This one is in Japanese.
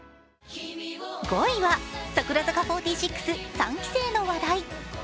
５位は櫻坂三期生の話題。